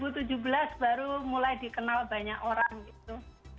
terus baru mulai dikenal banyak orang gitu